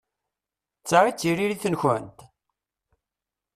D ta i d tiririt-nkent?